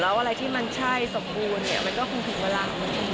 แล้วอะไรที่มันใช่สมบูรณ์เนี่ยมันก็คงถึงเวลา